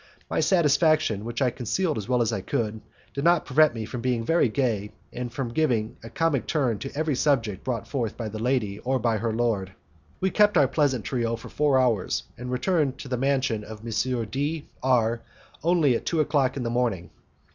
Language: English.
My satisfaction, which I concealed as well as I could, did not prevent me from being very gay and from giving a comic turn to every subject brought forward by the lady or by her lord. We kept up our pleasant trio for four hours; and returned to the mansion of M. D R only at two o'clock in the morning.